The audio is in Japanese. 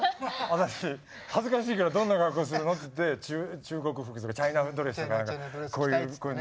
私恥ずかしいからどんな格好するのって言って中国服とかチャイナドレスとかこういうの。